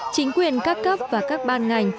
chính quyền các cấp và các ban ngành